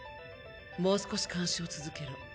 もう少し監視を続けろ。